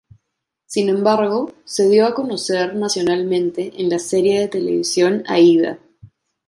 Sin embargo, se dio a conocer nacionalmente en la serie de televisión "Aída".